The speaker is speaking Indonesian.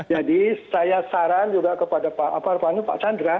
jadi saya saran juga kepada pak apa namanya pak chandra